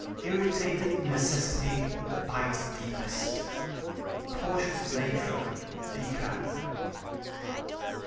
["Irritated necessity bites deepest." Portius Latro., Declam.